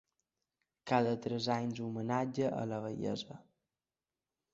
Cada tres anys homenatge a la vellesa.